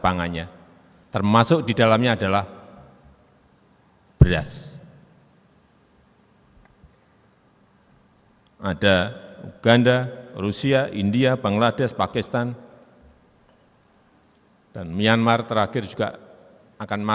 artinya sekali lagi pangan menjadi kunci